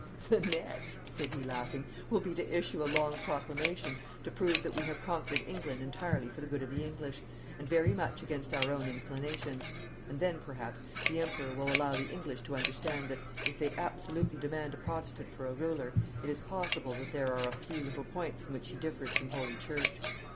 'The next,' said he, laughing, 'will be to issue a long proclamation to prove that we have conquered England entirely for the good of the English, and very much against our own inclinations. And then, perhaps, the Emperor will allow the English to understand that, if they absolutely demand a Protestant for a ruler, it is possible that there are a few little points in which he differs from Holy Church.'